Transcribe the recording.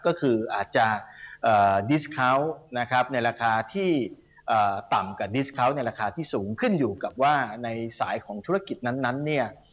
ก็คืออาจจะดิสเขานะครับในราคาที่ต่ำกว่าดิสเขาในราคาที่สูงขึ้นอยู่กับว่าในสายของธุรกิจนั้นเนี่ย